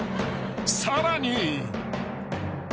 ［さらに］